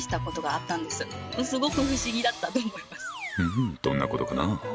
うんどんなことかな？